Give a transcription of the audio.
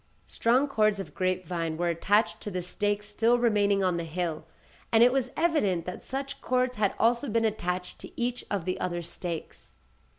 Strong cords of grape vine were attached to the stakes still remaining on the hill, and it was evident that such cords had also been attached to each of the other stakes.